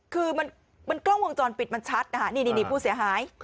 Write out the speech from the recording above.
คือมันกล้องวงจรปิดมันชัดนะคะนี่ผู้เสียหาย